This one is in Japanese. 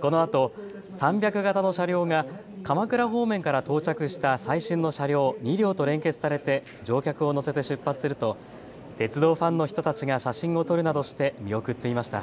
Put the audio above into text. このあと３００形の車両が鎌倉方面から到着した最新の車両２両と連結されて乗客を乗せて出発すると鉄道ファンの人たちが写真を撮るなどして見送っていました。